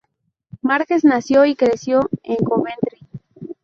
Marquez nació y creció en Coventry.